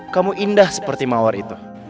kamu indah seperti mawar itu